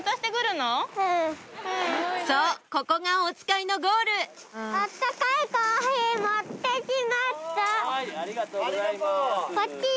そうここがおつかいのゴールこっち。